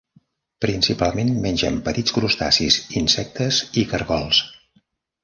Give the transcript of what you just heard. Principalment, mengen petits crustacis, insectes i cargols.